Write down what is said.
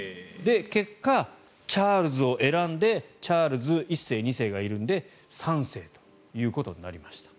結果、チャールズを選んでチャールズ１世、２世がいるので３世ということになりました。